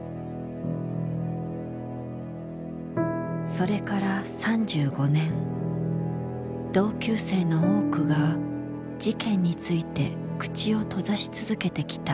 それから３５年同級生の多くが事件について口を閉ざし続けてきた。